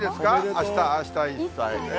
あした、あした１歳。